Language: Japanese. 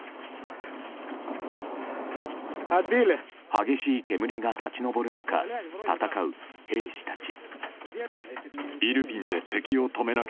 激しい煙が立ち上る中戦う兵士たち。